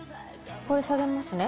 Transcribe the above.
これ下げますね。